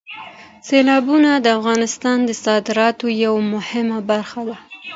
سیلابونه د افغانستان د صادراتو یوه مهمه برخه ده.